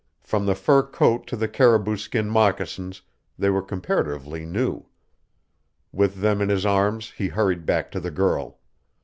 From the fur coat to the caribou skin moccasins they were comparatively new. With them in his arms he hurried back to the girl.